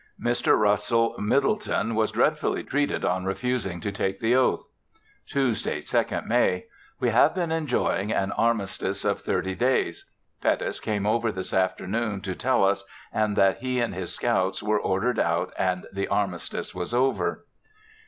Mr. Russell Middleton was dreadfully treated on refusing to take the oath. Tuesday, 2nd May. We have been enjoying an armistice of thirty days. Pettus came over this afternoon to tell us and that he and his scouts were ordered out and the armistice was over.